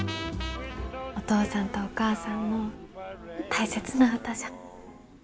お父さんとお母さんの大切な歌じゃ。